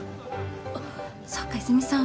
あっそっか泉さん